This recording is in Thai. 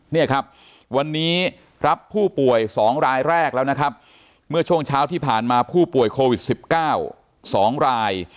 เนี่ยครับวันนี้รับผู้ป่วย๒รายแรกแล้วนะครับเมื่อช่วงเช้าที่ผ่านมาผู้ป่วยโควิด๑๙๒ราย